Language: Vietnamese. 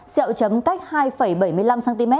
xẹo chấm cách hai bảy mươi năm cm